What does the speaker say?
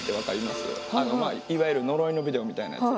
まあいわゆる呪いのビデオみたいなやつ。